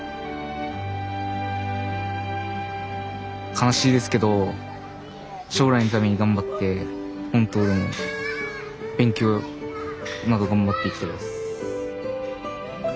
悲しいですけど将来のために頑張って本島でも勉強など頑張っていきたいです。